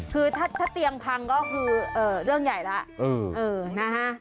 คือถ้าเตียงพังก็คือเรื่องใหญ่แล้วนะฮะ